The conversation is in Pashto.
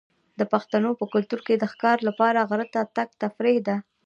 د پښتنو په کلتور کې د ښکار لپاره غره ته تګ تفریح ده.